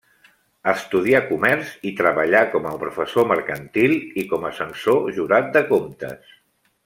Estudià comerç i treballà com a professor mercantil i com a censor jurat de comptes.